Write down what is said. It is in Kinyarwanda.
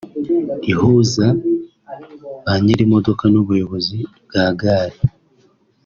ihuza banyir’imodoka n’ubuyobozi bwa gare